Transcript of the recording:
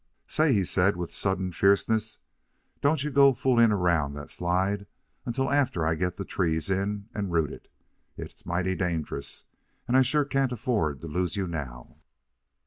"Say," he said, with sudden fierceness, "don't you go fooling around that slide until after I get the trees in and rooted. It's mighty dangerous, and I sure can't afford to lose you now."